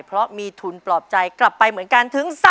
เพราะมีทุนปลอบใจกลับไปเหมือนกันถึง